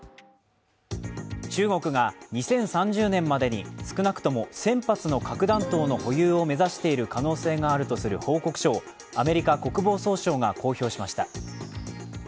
中国が２０３０年までに少なくとも１０００発の核弾頭の保有を目指している可能性があるとする報告書をアメリカ国防総省が公表しました。